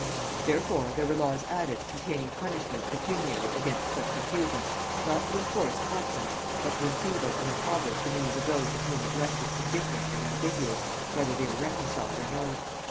Therefore there were laws added containing punishment pecuniary against such recusants, not to enforce conscience, but to enfeeble and impoverish the means of those of whom it resteth indifferent and ambiguous whether they were reconciled or no.